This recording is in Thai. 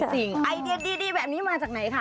ไอเดียดีแบบนี้มาจากไหนคะ